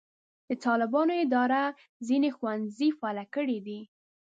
د طالبانو اداره ځینې ښوونځي فعاله کړي دي.